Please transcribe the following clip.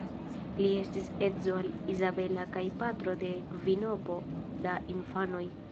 Li estis edzo al Izabela kaj patro de kvinopo da infanoj.